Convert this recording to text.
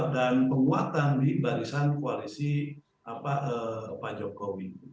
dan penguatan di barisan koalisi pak jokowi